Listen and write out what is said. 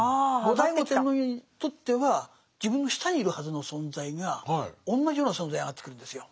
後醍醐天皇にとっては自分の下にいるはずの存在がおんなじような存在に上がってくるんですよ。